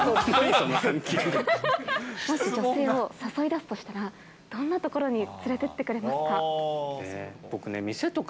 もし女性を誘い出すとしたら、どんなところに連れてってくれますか？